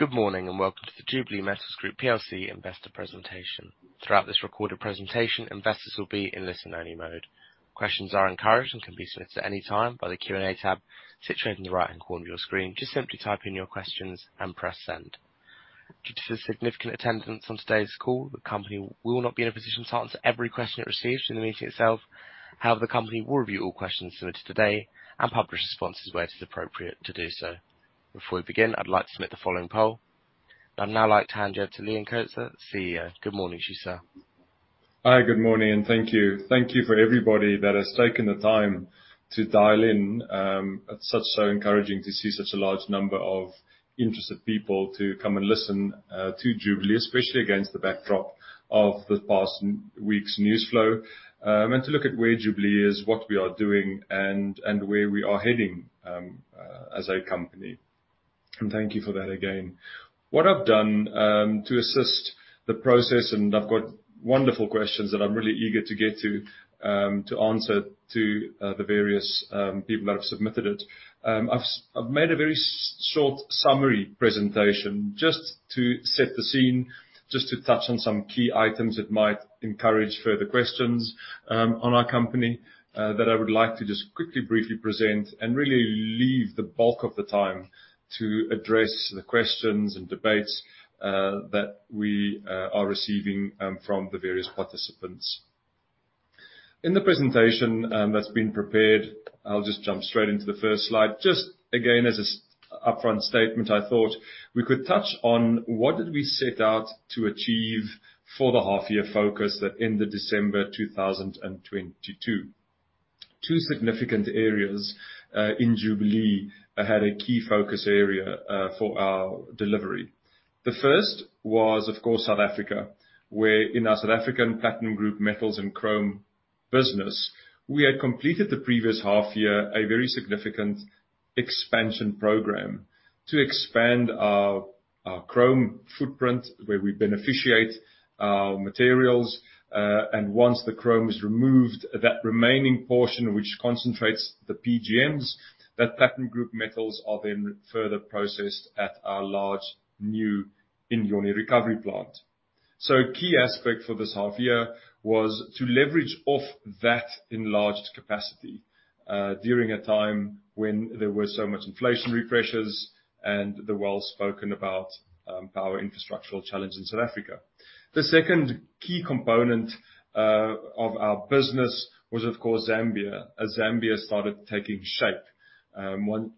Good morning, and welcome to the Jubilee Metals Group PLC Investor Presentation. Throughout this recorded presentation, investors will be in listen-only mode. Questions are encouraged and can be submitted at any time by the Q&A tab situated in the right-hand corner of your screen. Just simply type in your questions and press Send. Due to the significant attendance on today's call, the company will not be in a position to answer every question it receives during the meeting itself. However, the company will review all questions submitted today and publish responses where it is appropriate to do so. Before we begin, I'd like to submit the following poll. I'd now like to hand you over to Leon Coetzer, CEO. Good morning to you, sir. Hi. Good morning, and thank you. Thank you for everybody that has taken the time to dial in. It's such encouraging to see such a large number of interested people to come and listen to Jubilee, especially against the backdrop of this past week's news flow, and to look at where Jubilee is, what we are doing and where we are heading as a company. Thank you for that again. What I've done to assist the process, and I've got wonderful questions that I'm really eager to get to to answer to the various people that have submitted it. I've made a very short summary presentation just to set the scene, just to touch on some key items that might encourage further questions on our company that I would like to just quickly briefly present and really leave the bulk of the time to address the questions and debates that we are receiving from the various participants. In the presentation that's been prepared, I'll just jump straight into the first slide. Just again, as an upfront statement, I thought we could touch on what did we set out to achieve for the half-year focus that ended December 2022. Two significant areas in Jubilee had a key focus area for our delivery. The first was, of course, South Africa, where in our South African Platinum Group Metals and Chrome business, we had completed the previous half year a very significant expansion program to expand our chrome footprint, where we beneficiate our materials, and once the chrome is removed, that remaining portion which concentrates the PGMs, that platinum group metals are then further processed at our large new Inyoni recovery plant. Key aspect for this half year was to leverage off that enlarged capacity during a time when there were so much inflationary pressures and the well-spoken about power infrastructural challenge in South Africa. The second key component of our business was, of course, Zambia, as Zambia started taking shape.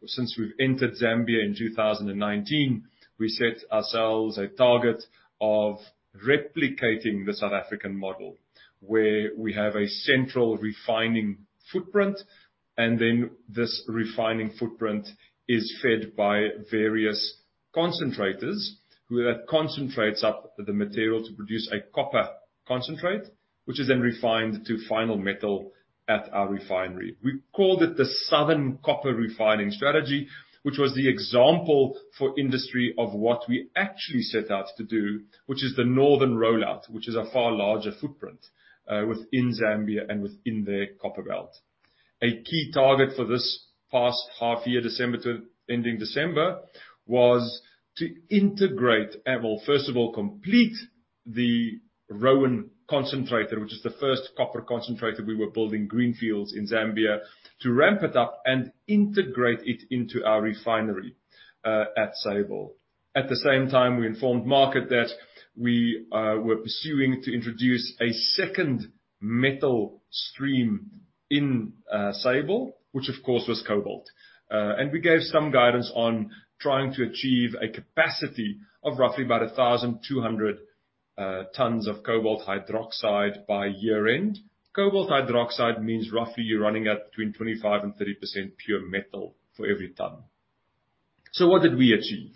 Since we've entered Zambia in 2019, we set ourselves a target of replicating the South African model, where we have a central refining footprint, and then this refining footprint is fed by various concentrators who then concentrates up the material to produce a copper concentrate, which is then refined to final metal at our refinery. We called it the Southern Copper Refining Strategy, which was the example for industry of what we actually set out to do, which is the northern rollout, which is a far larger footprint within Zambia and within the Copperbelt. A key target for this past half year, December ending December, was to integrate, and well, first of all, complete the Roan concentrator, which is the first copper concentrator we were building Greenfields in Zambia, to ramp it up and integrate it into our refinery at Sable. At the same time, we informed market that we were pursuing to introduce a second metal stream in Sable, which of course was cobalt. We gave some guidance on trying to achieve a capacity of roughly about 1,200 tons of cobalt hydroxide by year-end. Cobalt hydroxide means roughly you're running at between 25%-30% pure metal for every ton. What did we achieve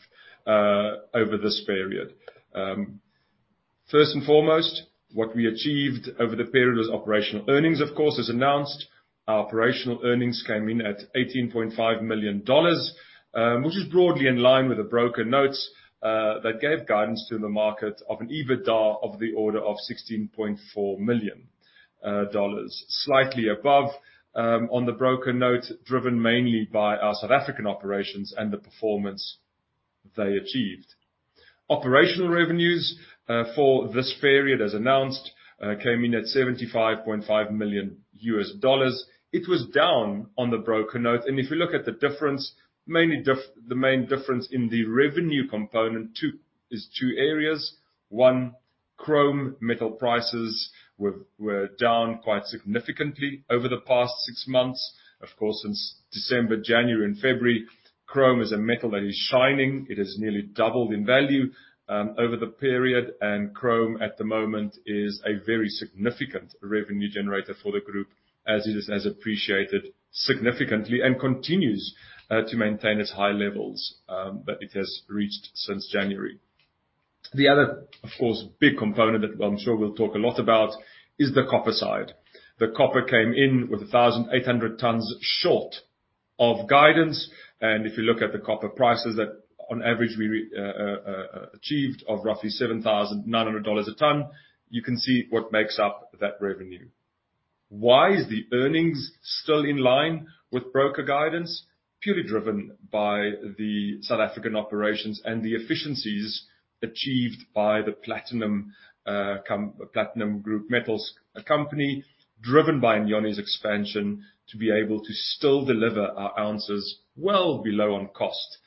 over this period? First and foremost, what we achieved over the period was operational earnings, of course, as announced. Our operational earnings came in at $18.5 million, which is broadly in line with the broker notes that gave guidance to the market of an EBITDA of the order of $16.4 million, slightly above on the broker note, driven mainly by our South African operations and the performance they achieved. Operational revenues for this period, as announced, came in at $75.5 million. It was down on the broker note. If you look at the difference, the main difference in the revenue component is two areas. One, chrome metal prices were down quite significantly over the past six months. Of course, since December, January and February, chrome is a metal that is shining. It has nearly doubled in value over the period. Chrome, at the moment, is a very significant revenue generator for the group as it has appreciated significantly and continues to maintain its high levels that it has reached since January. The other, of course, big component that I'm sure we'll talk a lot about is the copper side. The copper came in with 1,800 tons short of guidance. If you look at the copper prices that on average we achieved of roughly $7,900 a ton, you can see what makes up that revenue. Why is the earnings still in line with broker guidance? Purely driven by the South African operations and the efficiencies achieved by the platinum group metals company, driven by Inyoni's expansion to be able to still deliver our ounces well below the cost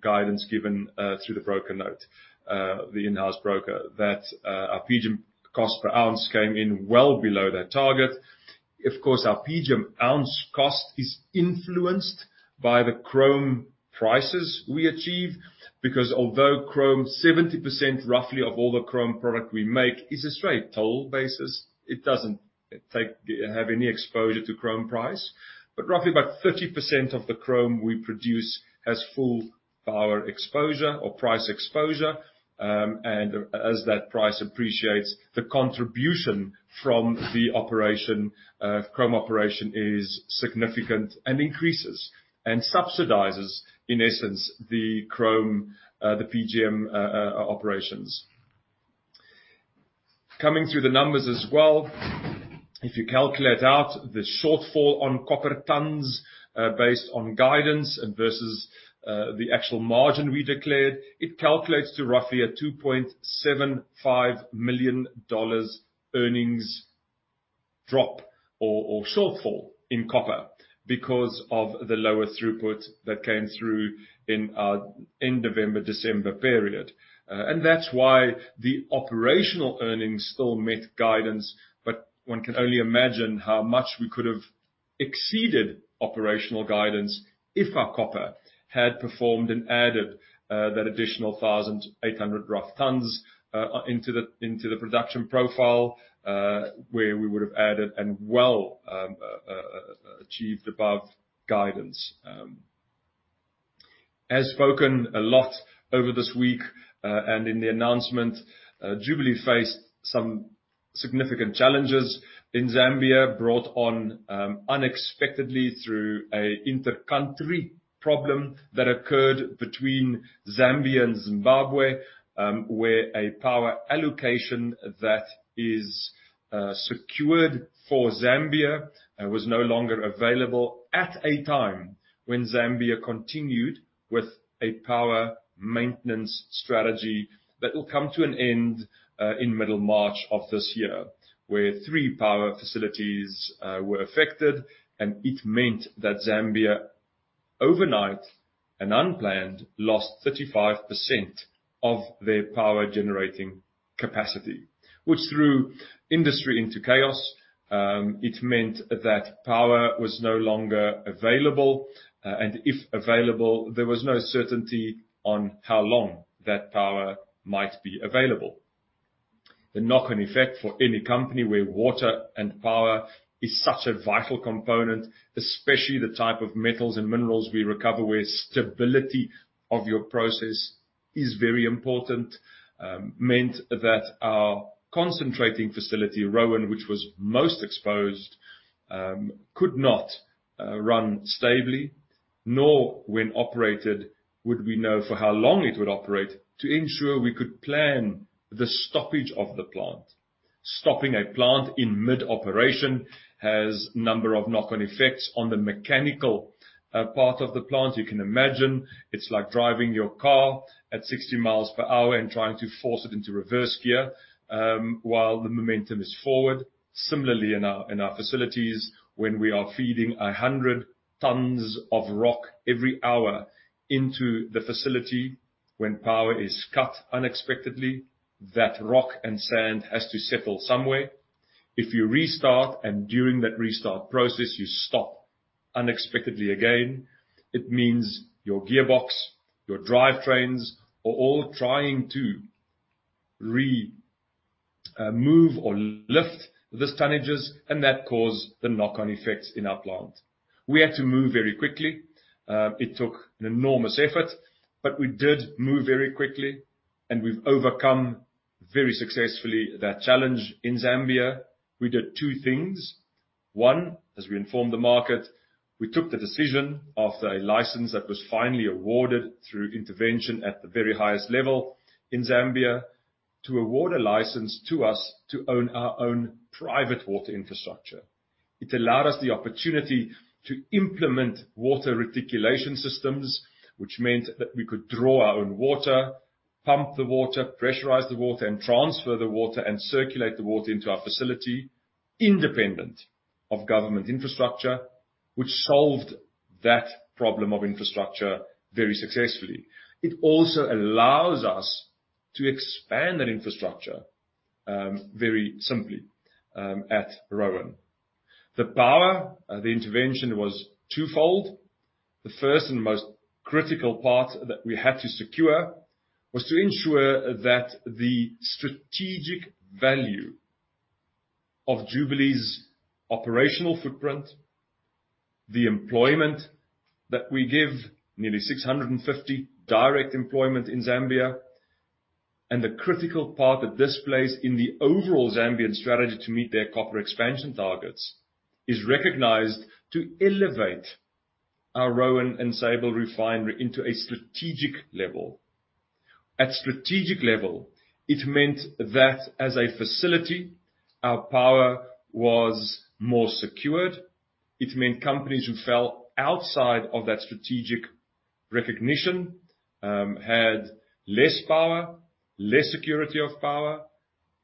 guidance given through the broker note, the in-house broker, that our PGM cost per ounce came in well below that target. Of course, our PGM ounce cost is influenced by the chrome prices we achieve. Because although chrome, roughly 70% of all the chrome product we make is a straight toll basis, it doesn't have any exposure to chrome price. But roughly about 30% of the chrome we produce has full price exposure or price exposure. And as that price appreciates, the contribution from the operation, chrome operation is significant and increases and subsidizes, in essence, the PGM operations. Coming through the numbers as well, if you calculate out the shortfall on copper tons, based on guidance versus the actual margin we declared, it calculates to roughly a $2.75 million earnings drop or shortfall in copper because of the lower throughput that came through in end November, December period. That's why the operational earnings still met guidance. One can only imagine how much we could have exceeded operational guidance if our copper had performed and added that additional roughly 1,800 tons into the production profile, where we would have added and well achieved above guidance. As spoken a lot over this week, and in the announcement, Jubilee faced some significant challenges in Zambia, brought on unexpectedly through an inter-country problem that occurred between Zambia and Zimbabwe, where a power allocation that is secured for Zambia was no longer available at a time when Zambia continued with a power maintenance strategy that will come to an end in middle March of this year, where three power facilities were affected. It meant that Zambia, overnight and unplanned, lost 35% of their power generating capacity, which threw industry into chaos. It meant that power was no longer available, and if available, there was no certainty on how long that power might be available. The knock-on effect for any company where water and power is such a vital component, especially the type of metals and minerals we recover, where stability of your process is very important, meant that our concentrating facility, Roan, which was most exposed, could not run stably, nor when operated, would we know for how long it would operate to ensure we could plan the stoppage of the plant. Stopping a plant in mid-operation has number of knock-on effects on the mechanical part of the plant. You can imagine it's like driving your car at 60 miles per hour and trying to force it into reverse gear while the momentum is forward. Similarly, in our facilities, when we are feeding 100 tons of rock every hour into the facility, when power is cut unexpectedly, that rock and sand has to settle somewhere. If you restart and during that restart process, you stop unexpectedly again, it means your gearbox, your drivetrains are all trying to move or lift these tonnages, and that cause the knock-on effects in our plant. We had to move very quickly. It took an enormous effort, but we did move very quickly, and we've overcome very successfully that challenge in Zambia. We did two things. One, as we informed the market, we took the decision of the license that was finally awarded through intervention at the very highest level in Zambia to award a license to us to own our own private water infrastructure. It allowed us the opportunity to implement water reticulation systems, which meant that we could draw our own water, pump the water, pressurize the water, and transfer the water and circulate the water into our facility independent of government infrastructure, which solved that problem of infrastructure very successfully. It also allows us to expand that infrastructure very simply at Roan. The power, the intervention was two-fold. The first and most critical part that we had to secure was to ensure that the strategic value of Jubilee's operational footprint, the employment that we give nearly 650 direct employment in Zambia, and the critical part that this plays in the overall Zambian strategy to meet their copper expansion targets, is recognized to elevate our Roan and Sable Refinery into a strategic level. At strategic level, it meant that as a facility, our power was more secured. It meant companies who fell outside of that strategic recognition had less power, less security of power.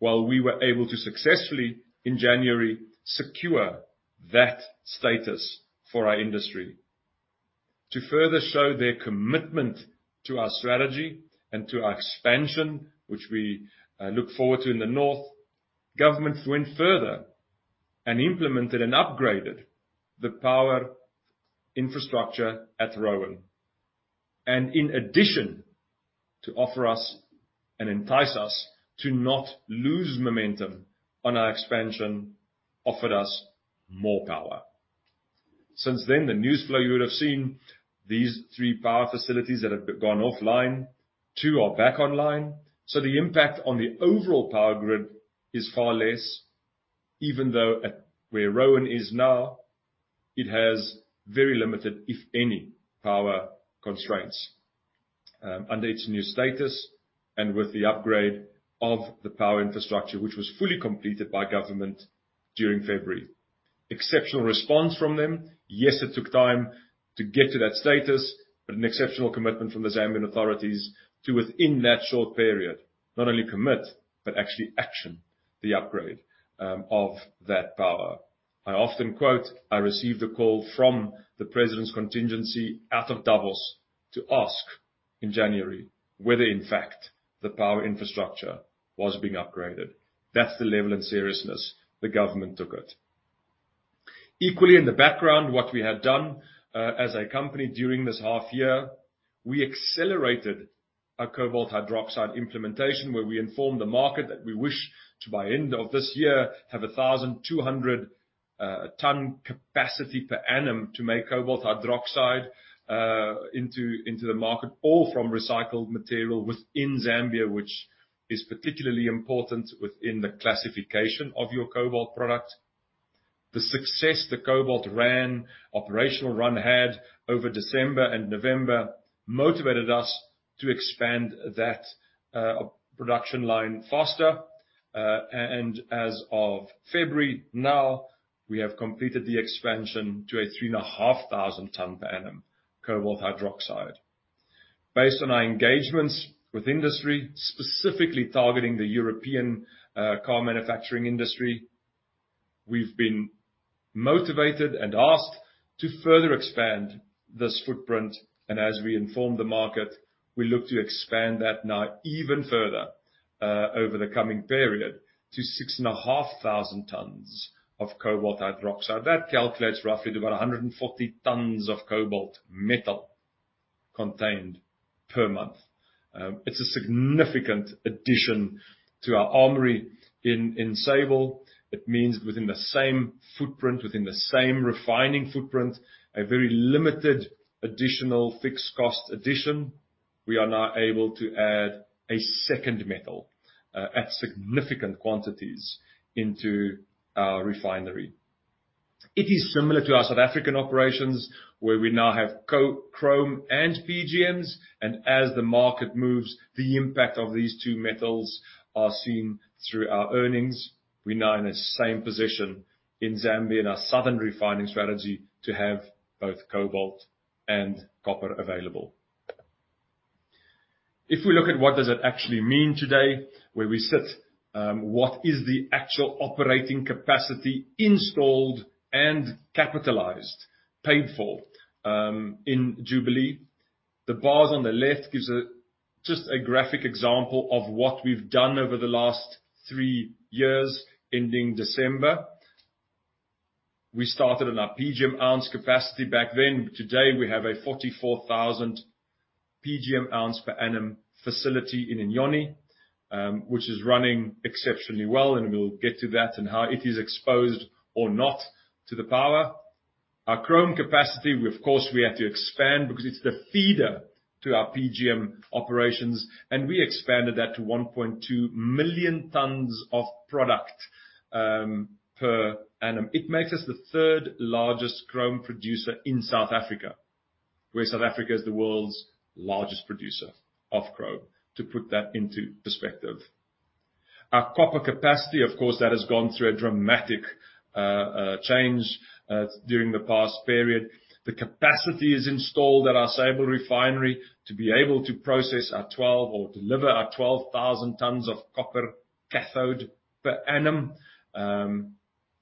While we were able to successfully, in January, secure that status for our industry. To further show their commitment to our strategy and to our expansion, which we look forward to in the North, governments went further and implemented and upgraded the power infrastructure at Roan. In addition, to offer us and entice us to not lose momentum on our expansion, offered us more power. Since then, the news flow you would have seen, these three power facilities that have gone off-line, two are back online, so the impact on the overall power grid is far less, even though at where Roan is now, it has very limited, if any, power constraints under its new status and with the upgrade of the power infrastructure, which was fully completed by government during February. Exceptional response from them. Yes, it took time to get to that status, but an exceptional commitment from the Zambian authorities to, within that short period, not only commit, but actually action the upgrade of that power. I often quote, I received a call from the president's contingent out of Davos to ask in January whether in fact the power infrastructure was being upgraded. That's the level and seriousness the government took it. Equally in the background, what we had done as a company during this half year, we accelerated our cobalt hydroxide implementation, where we informed the market that we wish to, by end of this year, have a 1,200-ton capacity per annum to make cobalt hydroxide into the market, all from recycled material within Zambia, which is particularly important within the classification of your cobalt product. The success that the cobalt run operational run had over December and November motivated us to expand that production line faster. And as of February, now we have completed the expansion to a 3,500 ton per annum cobalt hydroxide. Based on our engagements with industry, specifically targeting the European car manufacturing industry, we've been motivated and asked to further expand this footprint. As we inform the market, we look to expand that now even further over the coming period to 6,500 tons of cobalt hydroxide. That calculates roughly to about 140 tons of cobalt metal contained per month. It's a significant addition to our armory in Sable. It means within the same footprint, within the same refining footprint, a very limited additional fixed cost addition, we are now able to add a second metal at significant quantities into our refinery. It is similar to our South African operations, where we now have chrome and PGMs, and as the market moves, the impact of these two metals are seen through our earnings. We're now in the same position in Zambia and our Southern Refining Strategy to have both cobalt and copper available. If we look at what does it actually mean today, where we sit, what is the actual operating capacity installed and capitalized, paid for, in Jubilee. The bars on the left gives just a graphic example of what we've done over the last three years ending December. We started on our PGM ounce capacity back then. Today, we have a 44,000 PGM ounce per annum facility in Inyoni, which is running exceptionally well, and we'll get to that and how it is exposed or not to the power. Our chrome capacity, of course, we had to expand because it's the feeder to our PGM operations, and we expanded that to 1.2 million tons of product per annum. It makes us the third largest chrome producer in South Africa, where South Africa is the world's largest producer of chrome, to put that into perspective. Our copper capacity, of course, that has gone through a dramatic change during the past period. The capacity is installed at our Sable Refinery to be able to process our twelve or deliver our 12,000 tons of copper cathode per annum.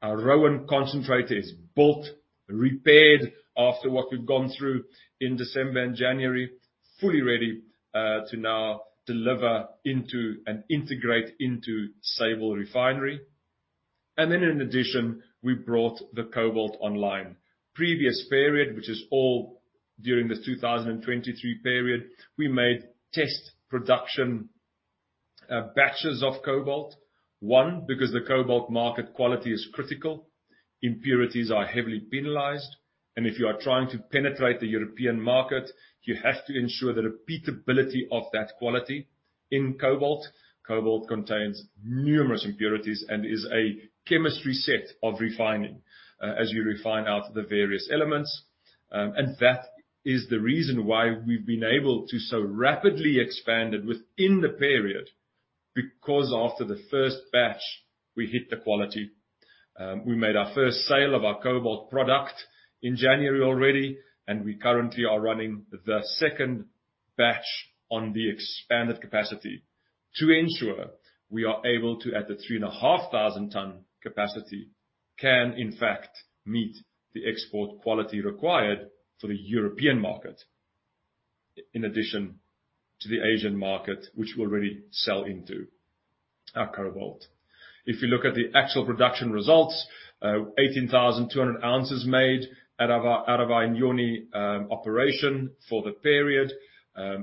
Our Roan concentrator is built, repaired after what we've gone through in December and January, fully ready to now deliver into and integrate into Sable Refinery. Then in addition, we brought the cobalt online. Previous period, which is all during the 2023 period, we made test production batches of cobalt, because the cobalt market quality is critical. Impurities are heavily penalized. If you are trying to penetrate the European market, you have to ensure the repeatability of that quality in cobalt. Cobalt contains numerous impurities and is a chemistry set of refining, as you refine out the various elements. That is the reason why we've been able to so rapidly expand it within the period, because after the first batch, we hit the quality. We made our first sale of our cobalt product in January already, and we currently are running the second batch on the expanded capacity to ensure we are able to, at the 3,500-ton capacity, can in fact meet the export quality required for the European market, in addition to the Asian market, which we already sell into our cobalt. If you look at the actual production results, 18,200 ounces made out of our Inyoni operation for the period.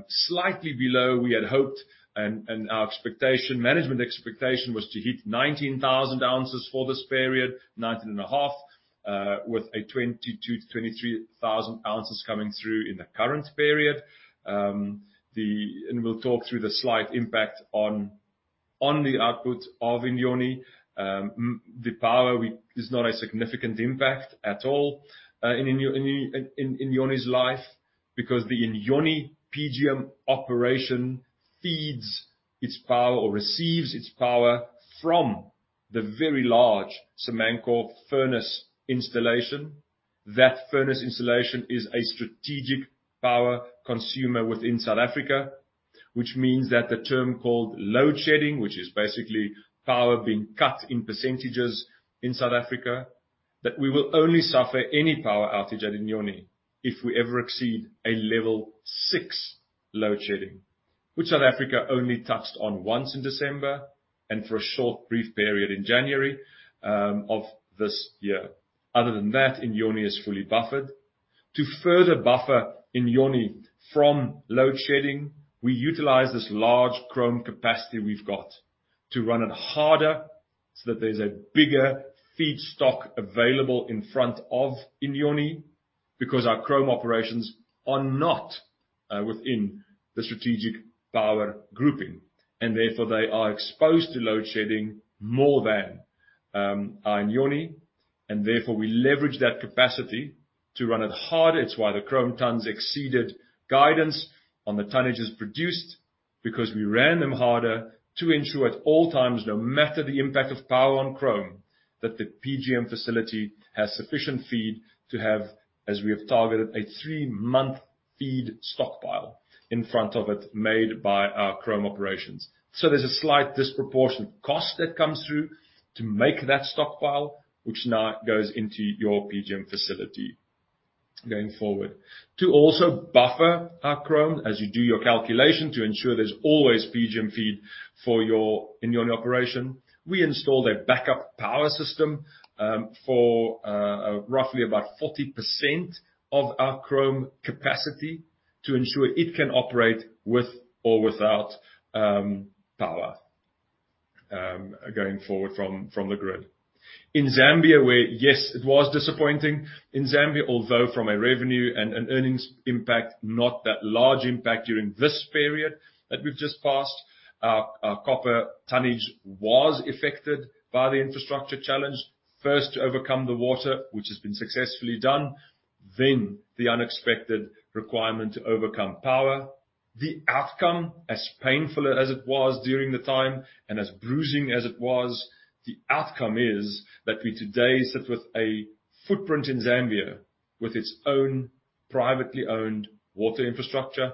Slightly below we had hoped and our expectation, management expectation was to hit 19,000 ounces for this period, 19.5, with 22,000-23,000 ounces coming through in the current period. We'll talk through the slight impact on the output of Inyoni. The power is not a significant impact at all in Inyoni's life because the Inyoni PGM operation feeds its power or receives its power from the very large Samancor furnace installation. That furnace installation is a strategic power consumer within South Africa, which means that the term called load shedding, which is basically power being cut in percentages in South Africa, that we will only suffer any power outage at Inyoni if we ever exceed a level 6 load shedding, which South Africa only touched on once in December and for a short, brief period in January of this year. Other than that, Inyoni is fully buffered. To further buffer Inyoni from load shedding, we utilize this large chrome capacity we've got to run it harder so that there's a bigger feedstock available in front of Inyoni because our chrome operations are not within the strategic power grouping, and therefore, they are exposed to load shedding more than our Inyoni. Therefore, we leverage that capacity to run it harder. It's why the chrome tons exceeded guidance on the tonnages produced because we ran them harder to ensure at all times, no matter the impact of power on chrome, that the PGM facility has sufficient feed to have, as we have targeted, a three-month feed stockpile in front of it made by our chrome operations. There's a slight disproportionate cost that comes through to make that stockpile, which now goes into your PGM facility going forward. To also buffer our chrome as you do your calculation to ensure there's always PGM feed for your Inyoni operation, we installed a backup power system for roughly about 40% of our chrome capacity to ensure it can operate with or without power going forward from the grid. In Zambia, where yes, it was disappointing. In Zambia, although from a revenue and an earnings impact, not that large impact during this period that we've just passed, our copper tonnage was affected by the infrastructure challenge. First to overcome the water, which has been successfully done, then the unexpected requirement to overcome power. The outcome, as painful as it was during the time and as bruising as it was, the outcome is that we today sit with a footprint in Zambia with its own privately-owned water infrastructure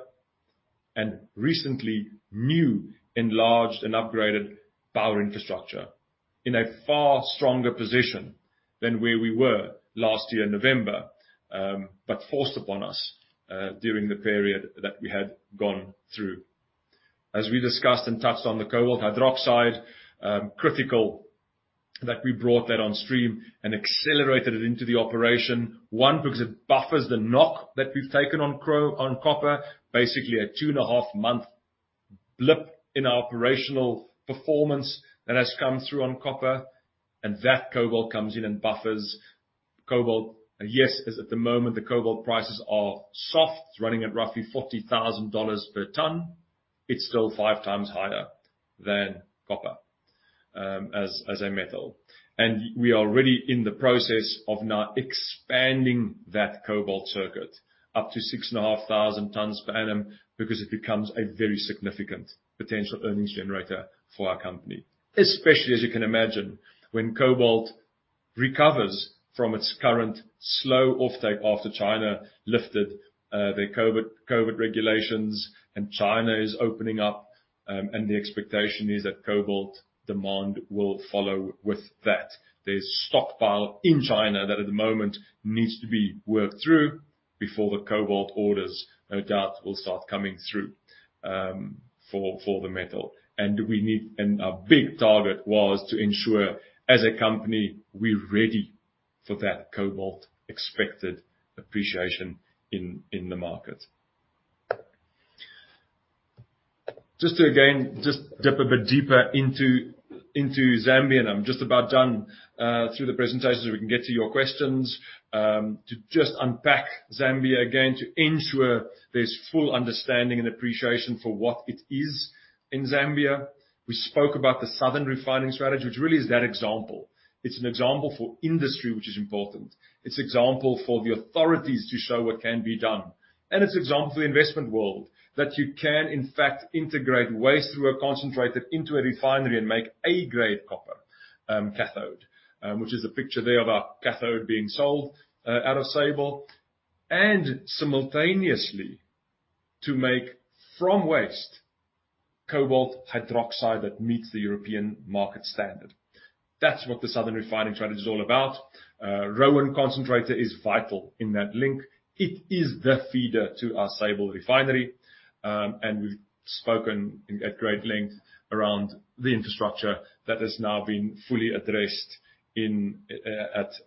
and recently new, enlarged and upgraded power infrastructure in a far stronger position than where we were last year in November, but forced upon us during the period that we had gone through. As we discussed and touched on the cobalt hydroxide, critical that we brought that on stream and accelerated it into the operation. One, because it buffers the knock that we've taken on copper, basically a 2.5-month blip in our operational performance that has come through on copper, and that cobalt comes in and buffers. Cobalt, yes, as at the moment, the cobalt prices are soft. It's running at roughly $40,000 per ton. It's still 5x higher than copper, as a metal. We are already in the process of now expanding that cobalt circuit up to 6,500 tons per annum because it becomes a very significant potential earnings generator for our company. Especially as you can imagine, when cobalt recovers from its current slow offtake after China lifted their COVID regulations and China is opening up, and the expectation is that cobalt demand will follow with that. There's a stockpile in China that at the moment needs to be worked through before the cobalt orders, no doubt, will start coming through, for the metal. Our big target was to ensure, as a company, we're ready for that cobalt expected appreciation in the market. Just to again dip a bit deeper into Zambia, and I'm just about done through the presentations, so we can get to your questions. To just unpack Zambia again to ensure there's full understanding and appreciation for what it is in Zambia. We spoke about the Southern Copper Refining Strategy, which really is that example. It's an example for industry, which is important. It's an example for the authorities to show what can be done, and it's an example to the investment world that you can, in fact, integrate waste through a concentrator into a refinery and make A-grade copper cathode. Which is the picture there of a cathode being sold out of Sable. Simultaneously to make from waste cobalt hydroxide that meets the European market standard. That's what the southern refining strategy is all about. Roan concentrator is vital in that link. It is the feeder to our Sable refinery, and we've spoken at great length around the infrastructure that has now been fully addressed in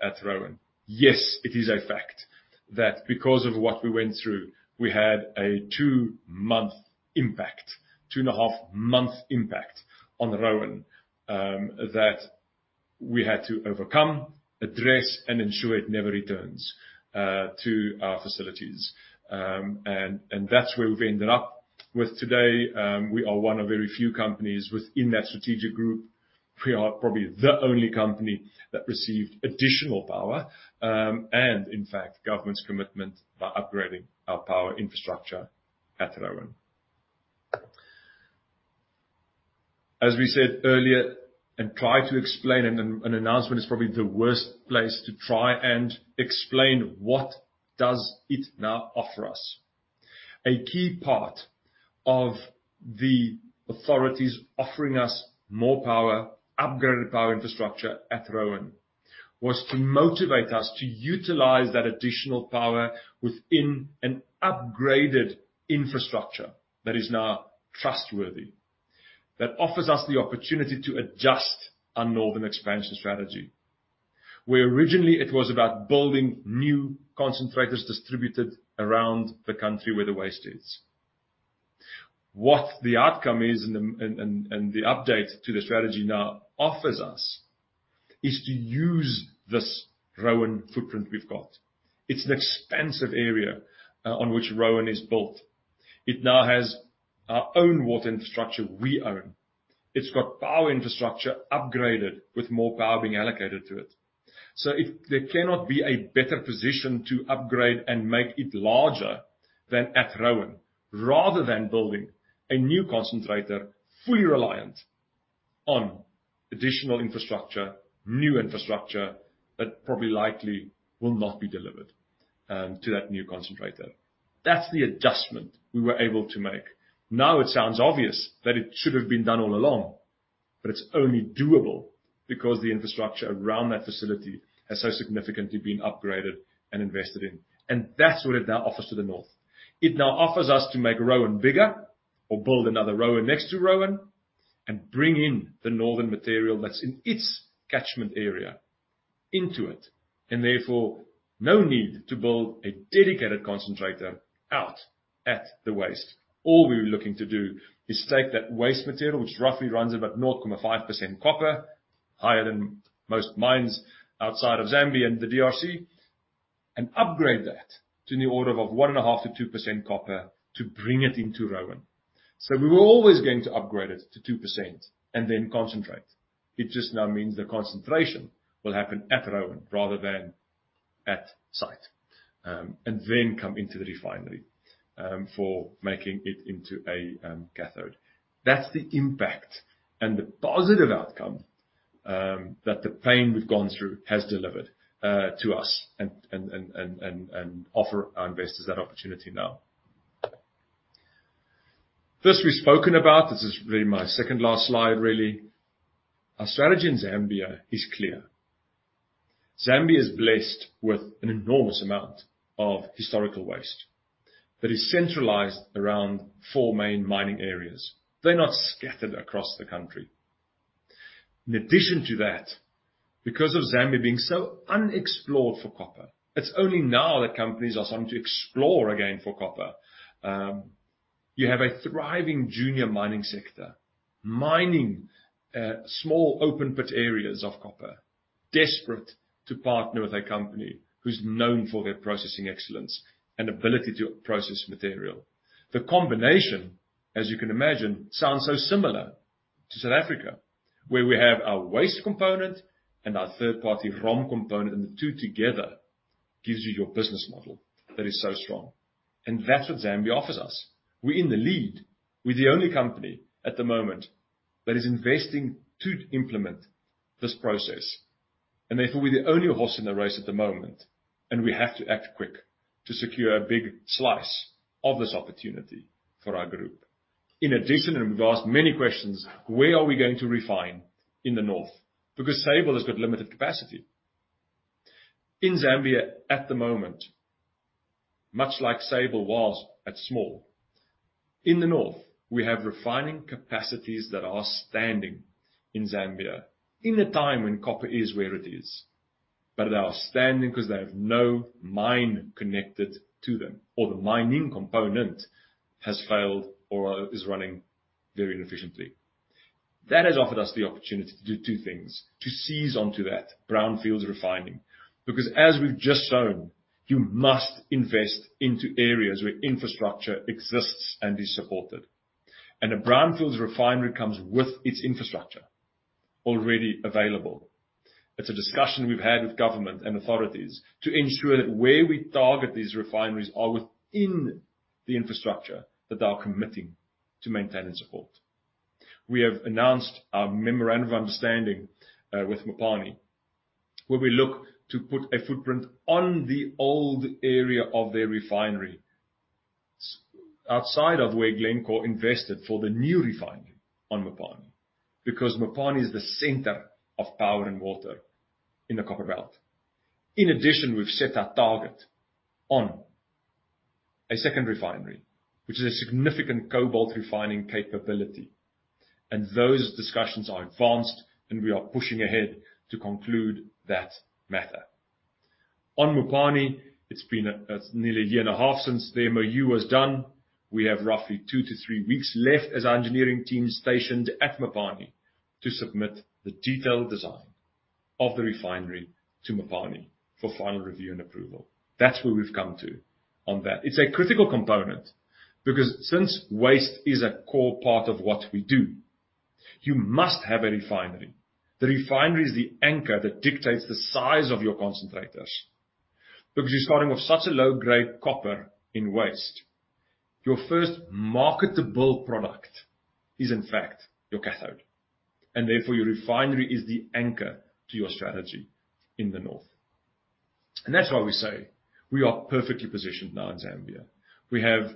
at Roan. Yes, it is a fact that because of what we went through, we had a two-month impact, 2.5-month impact on Roan, that we had to overcome, address, and ensure it never returns to our facilities. That's where we've ended up with today. We are one of very few companies within that strategic group. We are probably the only company that received additional power, and in fact, government's commitment by upgrading our power infrastructure at Roan. As we said earlier, tried to explain, an announcement is probably the worst place to try and explain what does it now offer us. A key part of the authorities offering us more power, upgraded power infrastructure at Roan was to motivate us to utilize that additional power within an upgraded infrastructure that is now trustworthy, that offers us the opportunity to adjust our northern expansion strategy. Where originally it was about building new concentrators distributed around the country where the waste is. What the outcome is and the update to the strategy now offers us is to use this Roan footprint we've got. It's an expansive area on which Roan is built. It now has our own water infrastructure we own. It's got power infrastructure upgraded with more power being allocated to it. There cannot be a better position to upgrade and make it larger than at Roan rather than building a new concentrator fully reliant on additional infrastructure, new infrastructure, that probably likely will not be delivered to that new concentrator. That's the adjustment we were able to make. Now, it sounds obvious that it should have been done all along, but it's only doable because the infrastructure around that facility has so significantly been upgraded and invested in, and that's what it now offers to the North. It now offers us to make Roan bigger or build another Roan next to Roan and bring in the northern material that's in its catchment area into it, and therefore no need to build a dedicated concentrator out at the waste. All we're looking to do is take that waste material, which roughly runs about 0.5% copper, higher than most mines outside of Zambia and the DRC, and upgrade that to the order of 1.5%-2% copper to bring it into Roan. We were always going to upgrade it to 2% and then concentrate. It just now means the concentration will happen at Roan rather than at site, and then come into the refinery, for making it into a cathode. That's the impact and the positive outcome, that the pain we've gone through has delivered, to us and offer our investors that opportunity now. This we've spoken about. This is really my second last slide, really. Our strategy in Zambia is clear. Zambia is blessed with an enormous amount of historical waste that is centralized around four main mining areas. They're not scattered across the country. In addition to that, because of Zambia being so unexplored for copper, it's only now that companies are starting to explore again for copper. You have a thriving junior mining sector, mining small open pit areas of copper, desperate to partner with a company who's known for their processing excellence and ability to process material. The combination, as you can imagine, sounds so similar to South Africa, where we have our waste component and our third-party ROM component, and the two together gives you your business model that is so strong. That's what Zambia offers us. We're in the lead. We're the only company at the moment that is investing to implement this process. Therefore, we're the only horse in the race at the moment, and we have to act quick to secure a big slice of this opportunity for our group. In addition, we've asked many questions, where are we going to refine in the North? Because Sable has got limited capacity. In Zambia at the moment, much like Sable was at small, in the North, we have refining capacities that are standing in Zambia in a time when copper is where it is. They are standing because they have no mine connected to them or the mining component has failed or is running very inefficiently. That has offered us the opportunity to do two things, to seize onto that brownfields refining, because as we've just shown, you must invest into areas where infrastructure exists and is supported. A brownfields refinery comes with its infrastructure already available. It's a discussion we've had with government and authorities to ensure that where we target these refineries are within the infrastructure that they are committing to maintain and support. We have announced our memorandum of understanding with Mopani, where we look to put a footprint on the old area of their refinery outside of where Glencore invested for the new refinery on Mopani, because Mopani is the center of power and water in the Copperbelt. In addition, we've set our target on a second refinery, which is a significant cobalt refining capability. Those discussions are advanced, and we are pushing ahead to conclude that matter. On Mopani, it's been nearly a year and a half since the MoU was done. We have roughly two-three weeks left for our engineering team stationed at Mopani to submit the detailed design of the refinery to Mopani for final review and approval. That's where we've come to on that. It's a critical component because since waste is a core part of what we do, you must have a refinery. The refinery is the anchor that dictates the size of your concentrators. Because you're starting with such a low-grade copper in waste, your first marketable product is, in fact, your cathode, and therefore, your refinery is the anchor to your strategy in the north. That's why we say we are perfectly positioned now in Zambia. We have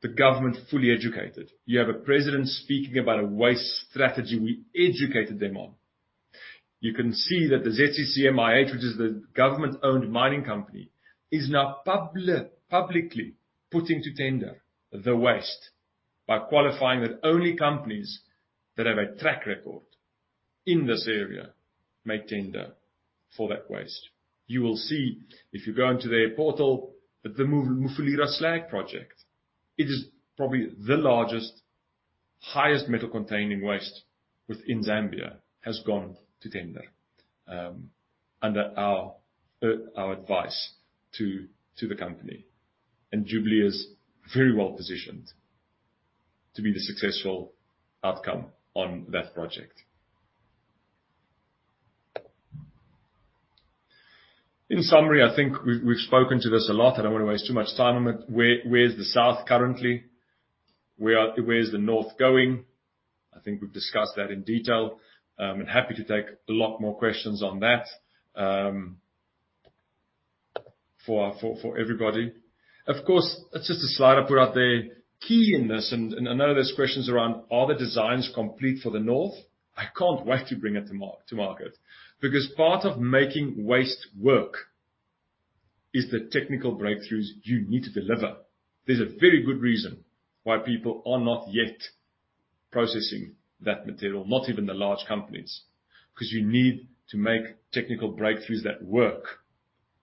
the government fully educated. We have a president speaking about a waste strategy we educated them on. You can see that the ZCCM-IH, which is the government-owned mining company, is now publicly putting to tender the waste by qualifying that only companies that have a track record in this area may tender for that waste. You will see if you go into their portal that the Mufulira Slag Project, it is probably the largest, highest metal-containing waste within Zambia, has gone to tender under our advice to the company. Jubilee is very well-positioned to be the successful outcome on that project. In summary, I think we've spoken to this a lot. I don't wanna waste too much time on it. Where is the South currently? Where is the North going? I think we've discussed that in detail, and happy to take a lot more questions on that for everybody. Of course, that's just a slide I put out there. Key in this, and I know there's questions around are the designs complete for the North. I can't wait to bring it to market because part of making waste work is the technical breakthroughs you need to deliver. There's a very good reason why people are not yet processing that material, not even the large companies, because you need to make technical breakthroughs that work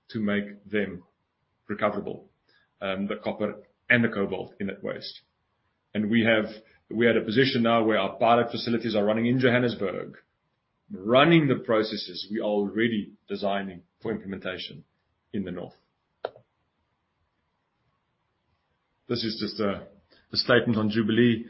to make them recoverable, the copper and the cobalt in that waste. We're at a position now where our pilot facilities are running in Johannesburg, running the processes we are already designing for implementation in the North. This is just a statement on Jubilee,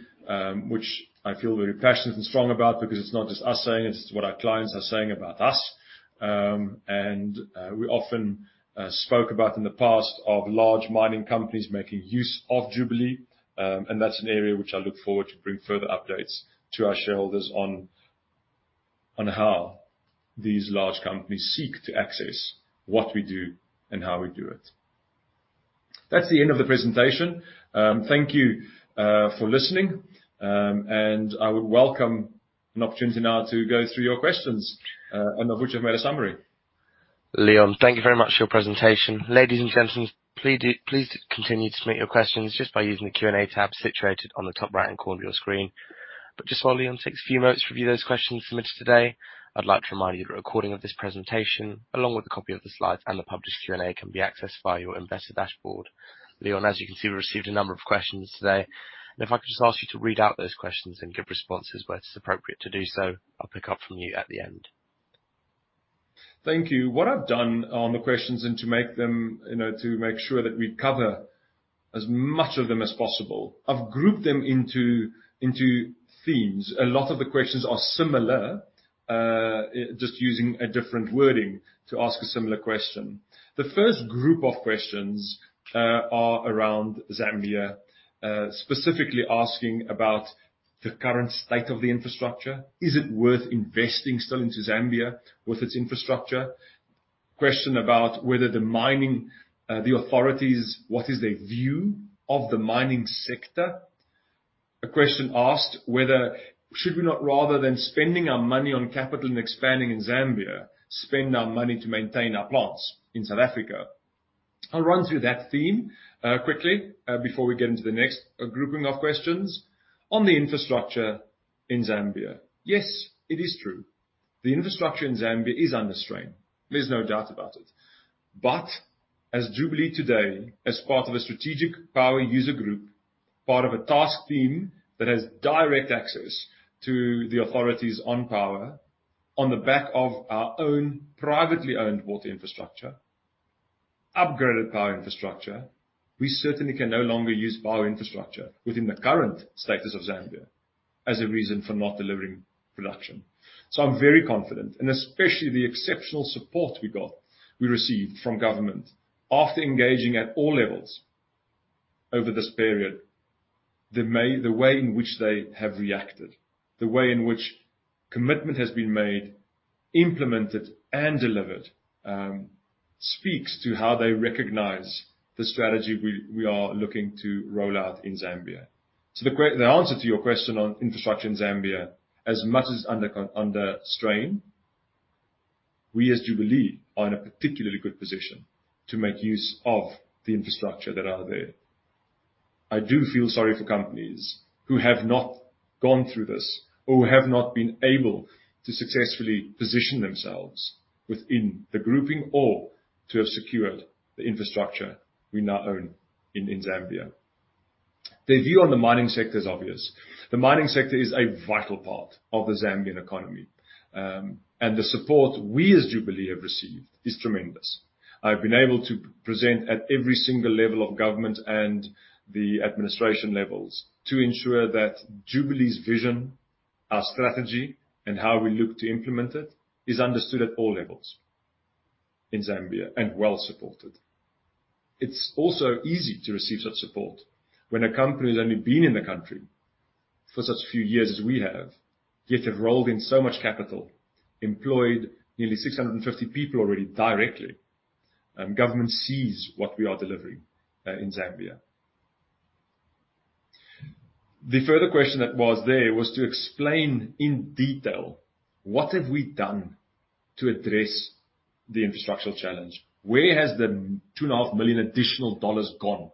which I feel very passionate and strong about because it's not just us saying it's what our clients are saying about us. We often spoke about in the past of large mining companies making use of Jubilee, and that's an area which I look forward to bring further updates to our shareholders on how these large companies seek to access what we do and how we do it. That's the end of the presentation. Thank you for listening. I would welcome an opportunity now to go through your questions, of which I've made a summary. Leon, thank you very much for your presentation. Ladies and gentlemen, please do, please continue to submit your questions just by using the Q&A tab situated on the top right-hand corner of your screen. Just while Leon takes a few moments to review those questions submitted today, I'd like to remind you that a recording of this presentation, along with a copy of the slides and the published Q&A, can be accessed via your investor dashboard. Leon, as you can see, we received a number of questions today, and if I could just ask you to read out those questions and give responses where it's appropriate to do so, I'll pick up from you at the end. Thank you. What I've done on the questions and to make them, you know, to make sure that we cover as much of them as possible, I've grouped them into themes. A lot of the questions are similar, just using a different wording to ask a similar question. The first group of questions are around Zambia, specifically asking about the current state of the infrastructure. Is it worth investing still into Zambia with its infrastructure? Question about whether the mining, the authorities, what is their view of the mining sector? A question asked whether should we not rather than spending our money on capital and expanding in Zambia, spend our money to maintain our plants in South Africa? I'll run through that theme, quickly, before we get into the next grouping of questions. On the infrastructure in Zambia, yes, it is true. The infrastructure in Zambia is under strain. There's no doubt about it. As Jubilee today, as part of a strategic power user group, part of a task team that has direct access to the authorities on power, on the back of our own privately-owned water infrastructure, upgraded power infrastructure, we certainly can no longer use power infrastructure within the current status of Zambia as a reason for not delivering production. I'm very confident, and especially the exceptional support we received from government after engaging at all levels over this period. The way in which they have reacted, the way in which commitment has been made, implemented, and delivered, speaks to how they recognize the strategy we are looking to roll out in Zambia. The answer to your question on infrastructure in Zambia, as much as it's under strain, we as Jubilee are in a particularly good position to make use of the infrastructure that are there. I do feel sorry for companies who have not gone through this or who have not been able to successfully position themselves within the grouping or to have secured the infrastructure we now own in Zambia. The view on the mining sector is obvious. The mining sector is a vital part of the Zambian economy, and the support we as Jubilee have received is tremendous. I've been able to present at every single level of government and the administration levels to ensure that Jubilee's vision, our strategy, and how we look to implement it is understood at all levels in Zambia and well supported. It's also easy to receive such support when a company has only been in the country for such few years as we have, yet have rolled in so much capital, employed nearly 650 people already directly. Government sees what we are delivering in Zambia. The further question that was there was to explain in detail what have we done to address the infrastructural challenge? Where has the $2.5 million additional dollars gone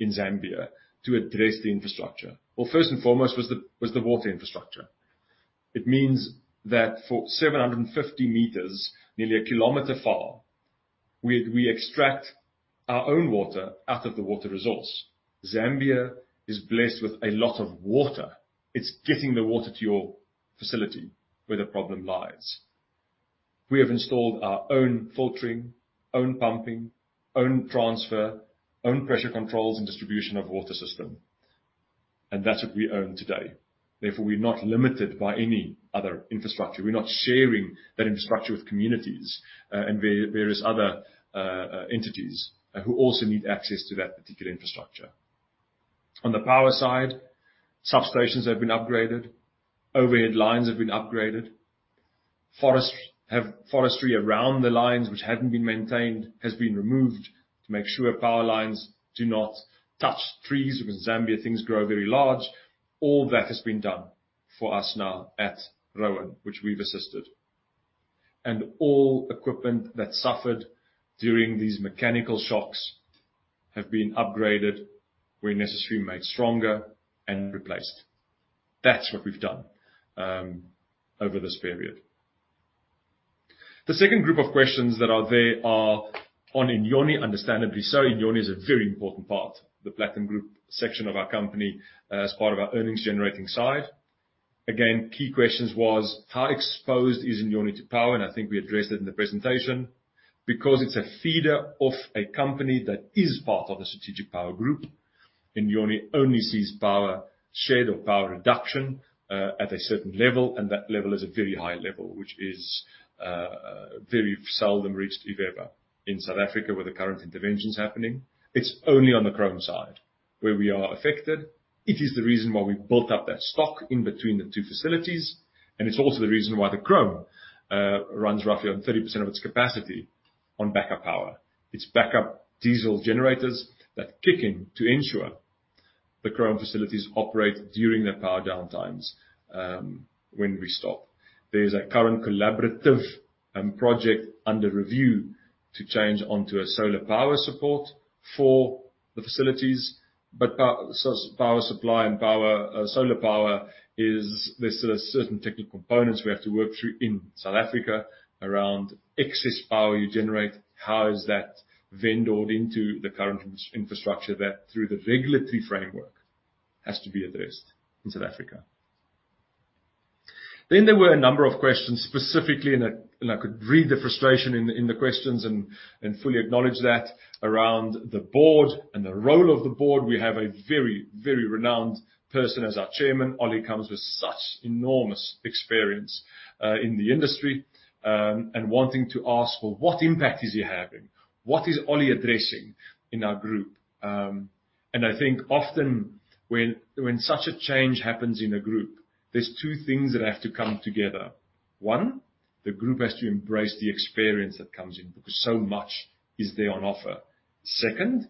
in Zambia to address the infrastructure? Well, first and foremost was the water infrastructure. It means that for 750 meters, nearly a kilometer far, we extract our own water out of the water resource. Zambia is blessed with a lot of water. It's getting the water to your facility where the problem lies. We have installed our own filtering, own pumping, own transfer, own pressure controls and distribution of water system, and that's what we own today. Therefore, we're not limited by any other infrastructure. We're not sharing that infrastructure with communities, and various other entities who also need access to that particular infrastructure. On the power side, substations have been upgraded, overhead lines have been upgraded. Forestry around the lines which hadn't been maintained has been removed to make sure power lines do not touch trees because Zambian things grow very large. All that has been done for us now at Roan, which we've assisted. All equipment that suffered during these mechanical shocks have been upgraded, where necessary, made stronger and replaced. That's what we've done over this period. The second group of questions that are there are on Inyoni, understandably so. Inyoni is a very important part, the Platinum Group section of our company as part of our earnings generating side. Again, key questions was how exposed is Inyoni to power? I think we addressed it in the presentation. Because it's a feeder of a company that is part of the strategic power group. Inyoni only sees load shedding or power reduction at a certain level, and that level is a very high level, which is very seldom reached, if ever, in South Africa with the current interventions happening. It's only on the chrome side where we are affected. It is the reason why we built up that stock in between the two facilities, and it's also the reason why the chrome runs roughly on 30% of its capacity on back-up power. It's backup diesel generators that kick in to ensure the chrome facilities operate during the power downtimes, when we stop. There's a current collaborative project under review to change onto a solar power support for the facilities. Power supply and power, solar power. There's certain technical components we have to work through in South Africa around excess power you generate. How is that fed into the current infrastructure that through the regulatory framework has to be addressed in South Africa. There were a number of questions specifically, and I could read the frustration in the questions and fully acknowledge that around the board and the role of the board. We have a very, very renowned person as our chairman. Ollie comes with such enormous experience in the industry and wanting to ask, well, what impact is he having? What is Ollie addressing in our group? I think often when such a change happens in a group, there's two things that have to come together. One, the group has to embrace the experience that comes in because so much is there on offer. Second,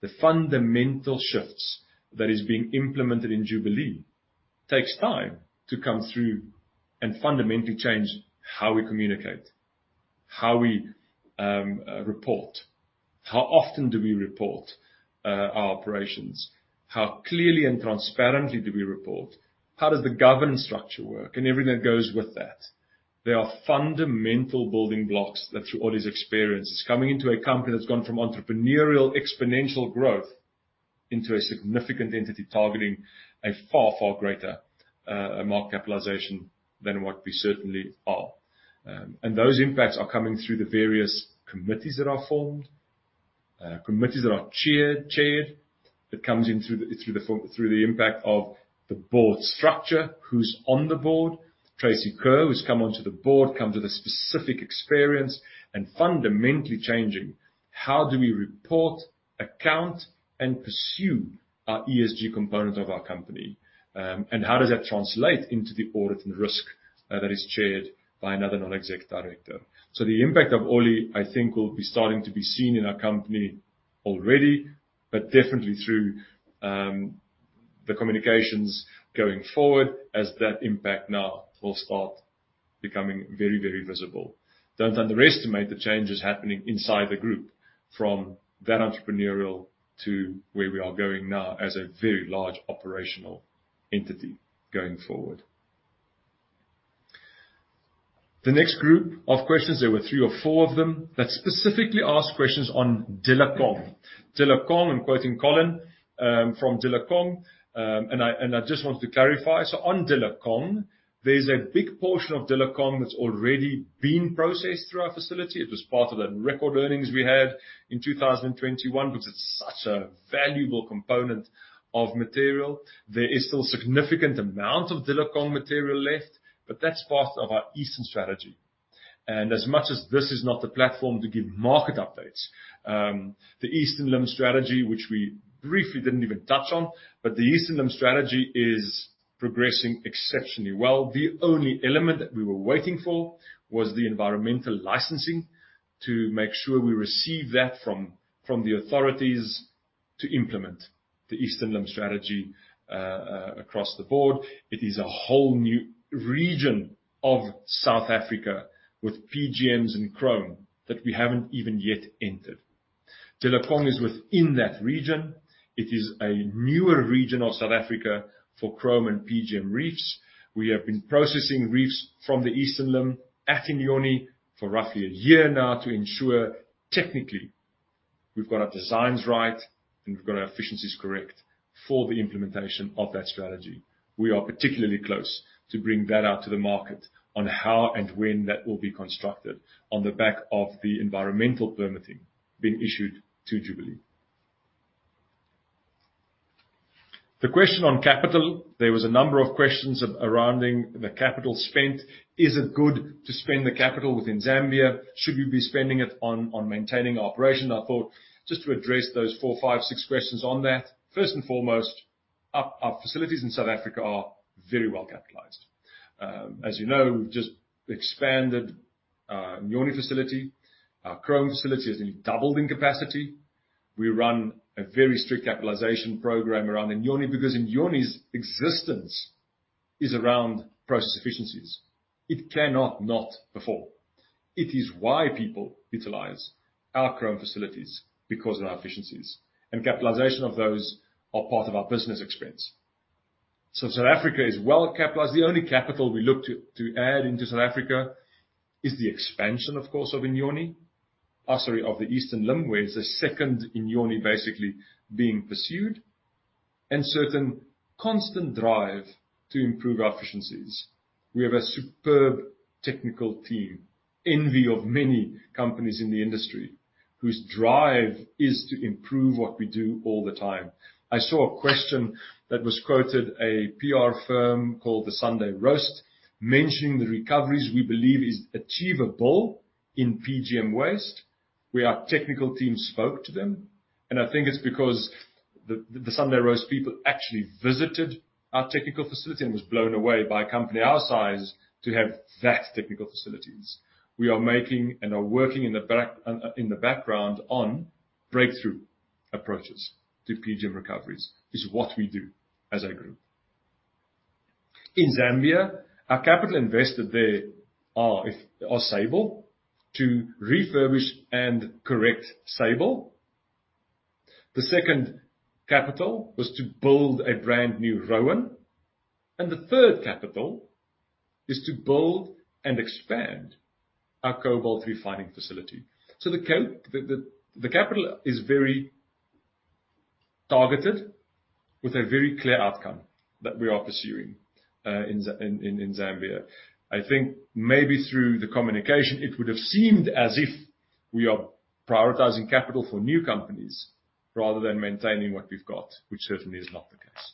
the fundamental shifts that is being implemented in Jubilee takes time to come through and fundamentally change how we communicate, how we report, how often do we report our operations, how clearly and transparently do we report, how does the governance structure work and everything that goes with that. They are fundamental building blocks that through Ollie's experience is coming into a company that's gone from entrepreneurial exponential growth into a significant entity targeting a far, far greater market capitalization than what we certainly are. Those impacts are coming through the various committees that are formed, committees that are chaired. It comes in through the impact of the board structure, who's on the board. Tracey Kerr, who's come onto the board, brings the specific experience and fundamentally changing how we report, account and pursue our ESG component of our company, and how does that translate into the audit and risk that is chaired by another Non-Exec Director. The impact of Ollie, I think, will be starting to be seen in our company already, but definitely through the communications going forward as that impact now will start becoming very, very visible. Don't underestimate the changes happening inside the group from that entrepreneurial to where we are going now as a very large operational entity going forward. The next group of questions, there were three or four of them that specifically asked questions on Dilokong. Dilokong, I'm quoting Colin from Dilokong, and I just wanted to clarify. On Dilokong, there's a big portion of Dilokong that's already been processed through our facility. It was part of that record earnings we had in 2021 because it's such a valuable component of material. There is still significant amount of Dilokong material left, but that's part of our Eastern strategy. As much as this is not the platform to give market updates, the Eastern Limb strategy, which we briefly didn't even touch on, but the Eastern Limb strategy is progressing exceptionally well. The only element that we were waiting for was the environmental licensing to make sure we receive that from the authorities to implement the Eastern Limb strategy across the board. It is a whole new region of South Africa with PGMs and chrome that we haven't even yet entered. Dilokong is within that region. It is a newer region of South Africa for chrome and PGMs reefs. We have been processing reefs from the Eastern Limb at Inyoni for roughly a year now to ensure technically we've got our designs right and we've got our efficiencies correct for the implementation of that strategy. We are particularly close to bring that out to the market on how and when that will be constructed on the back of the environmental permitting being issued to Jubilee. The question on capital, there were a number of questions around the capital spent. Is it good to spend the capital within Zambia? Should you be spending it on maintaining operation? I thought just to address those four, five, six questions on that. First and foremost, our facilities in South Africa are very well capitalized. As you know, we've just expanded our Inyoni facility. Our chrome facility has been doubled in capacity. We run a very strict capitalization program around Inyoni because Inyoni's existence is around process efficiencies. It cannot not perform. It is why people utilize our chrome facilities because of our efficiencies. Capitalization of those are part of our business experience. South Africa is well capitalized. The only capital we look to add into South Africa is the expansion, of course, of the Eastern Limb, where it's a second Inyoni basically being pursued, and certain constant drive to improve our efficiencies. We have a superb technical team, envy of many companies in the industry, whose drive is to improve what we do all the time. I saw a question that was quoted, a PR firm called the Sunday Roast, mentioning the recoveries we believe is achievable in PGM waste, where our technical team spoke to them. I think it's because the Sunday Roast people actually visited our technical facility and was blown away by a company our size to have that technical facilities. We are making and are working in the background on breakthrough approaches to PGM recoveries, is what we do as a group. In Zambia, our capital invested there are Sable to refurbish and construct Sable. The second capital was to build a brand new Roan. The third capital is to build and expand our cobalt refining facility. The capital is very targeted with a very clear outcome that we are pursuing in Zambia. I think maybe through the communication, it would have seemed as if we are prioritizing capital for new companies rather than maintaining what we've got, which certainly is not the case.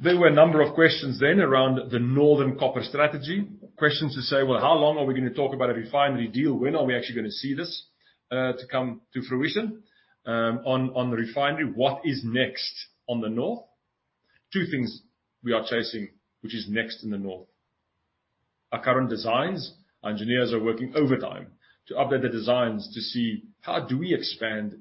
There were a number of questions then around the Northern Copper Refining Strategy. Questions to say, "Well, how long are we gonna talk about a refinery deal? When are we actually gonna see this to come to fruition on the refinery? What is next on the North? Two things we are chasing, which is next in the North. Our current designs, our engineers are working overtime to update the designs to see how do we expand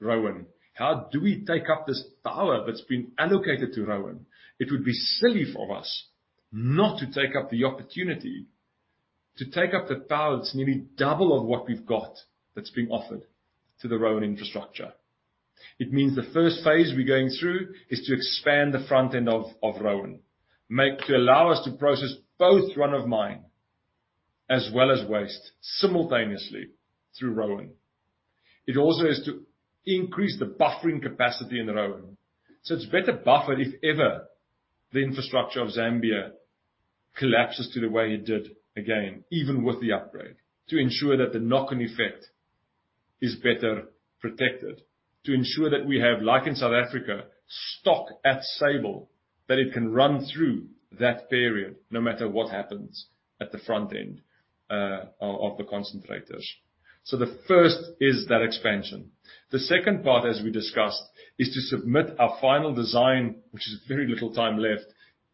Roan. How do we take up this power that's been allocated to Roan? It would be silly for us not to take up the opportunity to take up the power that's nearly double of what we've got that's being offered to the Roan infrastructure. It means the first phase we're going through is to expand the front end of Roan to allow us to process both run-of-mine as well as waste simultaneously through Roan. It also is to increase the buffering capacity in Roan. It's better buffered if ever the infrastructure of Zambia collapses to the way it did again, even with the upgrade, to ensure that the knock-on effect is better protected. To ensure that we have, like in South Africa, stock at Sable, that it can run through that period no matter what happens at the front end of the concentrators. The first is that expansion. The second part, as we discussed, is to submit our final design, which is very little time left,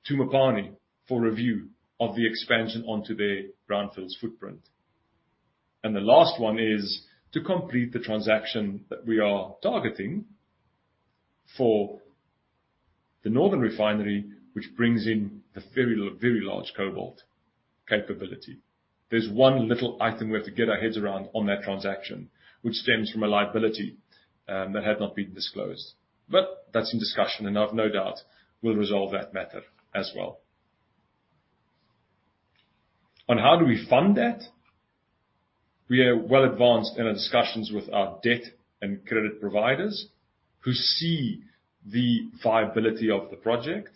to Mopani for review of the expansion onto their brownfields footprint. The last one is to complete the transaction that we are targeting for the Northern Refinery, which brings in the very large cobalt capability. There's one little item we have to get our heads around on that transaction, which stems from a liability that had not been disclosed. That's in discussion, and I've no doubt we'll resolve that matter as well. On how do we fund that, we are well advanced in our discussions with our debt and credit providers who see the viability of the project,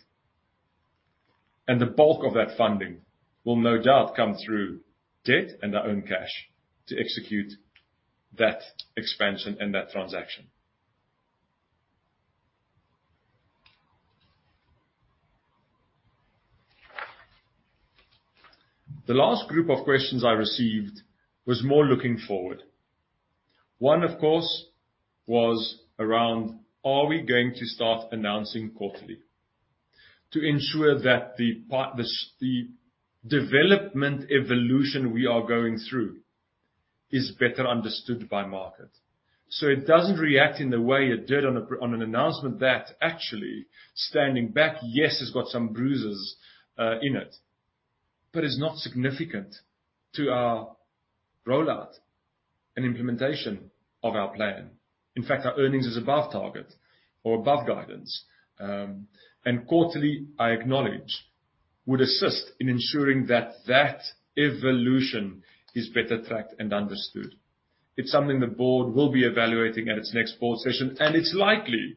and the bulk of that funding will no doubt come through debt and our own cash to execute that expansion and that transaction. The last group of questions I received was more looking forward. One, of course, was around are we going to start announcing quarterly to ensure that the development evolution we are going through is better understood by market. It doesn't react in the way it did on an announcement that actually standing back, yes, it's got some bruises, in it, but is not significant to our rollout and implementation of our plan. In fact, our earnings is above target or above guidance. Quarterly, I acknowledge, would assist in ensuring that that evolution is better tracked and understood. It's something the board will be evaluating at its next board session, and it's likely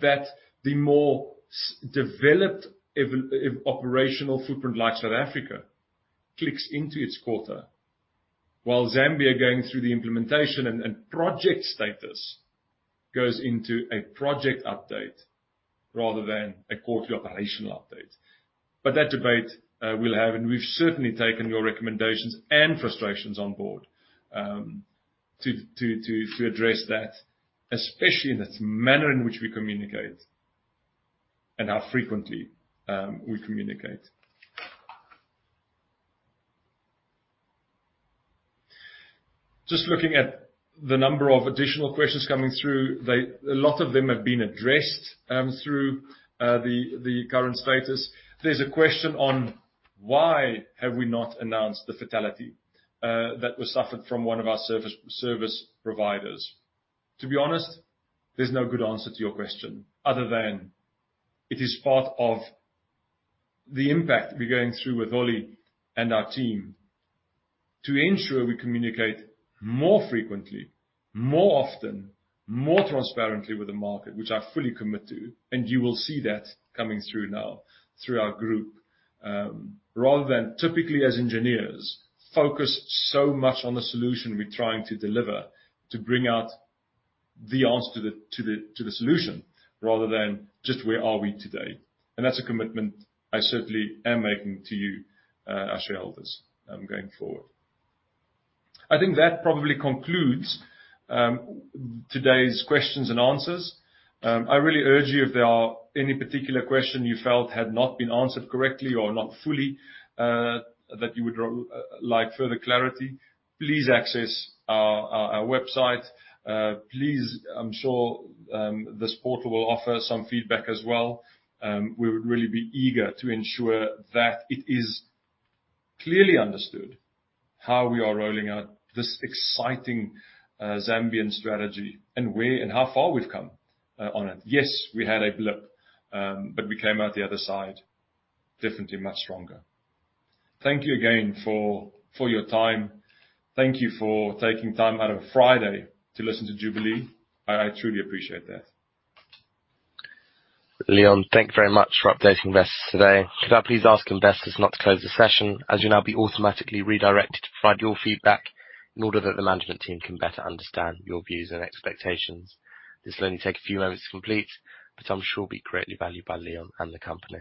that the more developed operational footprint like South Africa clicks into its quarter. While Zambia are going through the implementation and project status goes into a project update rather than a quarterly operational update. That debate, we'll have, and we've certainly taken your recommendations and frustrations on board, to address that, especially in the manner in which we communicate and how frequently, we communicate. Just looking at the number of additional questions coming through, a lot of them have been addressed through the current status. There's a question on why have we not announced the fatality that was suffered from one of our service providers? To be honest, there's no good answer to your question other than it is part of the impact we're going through with Ollie and our team to ensure we communicate more frequently, more often, more transparently with the market, which I fully commit to, and you will see that coming through now through our group. Rather than typically as engineers, focus so much on the solution we're trying to deliver to bring out the answer to the solution rather than just where are we today. That's a commitment I certainly am making to you, our shareholders, going forward. I think that probably concludes today's questions and answers. I really urge you if there are any particular question you felt had not been answered correctly or not fully, that you would like further clarity, please access our website. Please, I'm sure, this portal will offer some feedback as well. We would really be eager to ensure that it is clearly understood how we are rolling out this exciting Zambian strategy and where and how far we've come on it. Yes, we had a blip, but we came out the other side definitely much stronger. Thank you again for your time. Thank you for taking time out of a Friday to listen to Jubilee. I truly appreciate that. Leon, thank you very much for updating investors today. Could I please ask investors not to close the session, as you'll now be automatically redirected to provide your feedback in order that the management team can better understand your views and expectations. This will only take a few moments to complete, but I'm sure it'll be greatly valued by Leon and the company.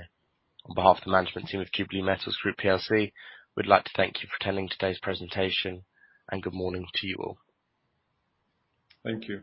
On behalf of the management team of Jubilee Metals Group PLC, we'd like to thank you for attending today's presentation, and good morning to you all. Thank you.